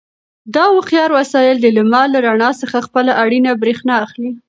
دا هوښیار وسایل د لمر له رڼا څخه خپله اړینه برېښنا اخلي.